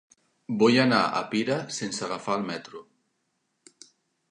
Vull anar a Pira sense agafar el metro.